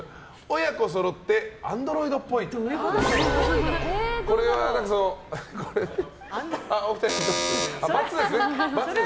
親子そろってアンドロイドっぽい。×ですね。